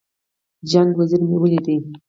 جنګ وزیر مې ولیدی.